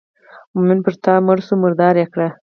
مومن پر تا مړ شو مردار یې کړ.